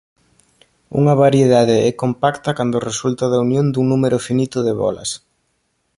Unha variedade é compacta cando resulta da unión dun número finito de bólas.